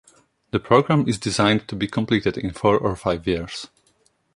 The program is designed to be completed in four or five years.